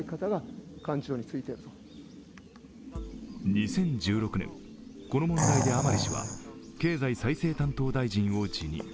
２０１６年、この問題で甘利氏は経済再生担当大臣を辞任。